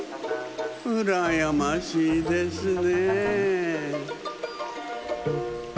うらやましいですね。